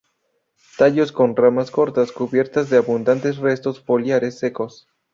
Tallos con ramas cotas cubiertas de abundantes restos foliares secos.